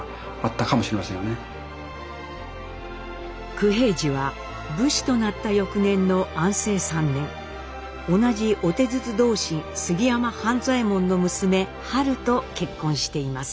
九平治は武士となった翌年の安政３年同じ御手筒同心杉山半左衛門の娘はると結婚しています。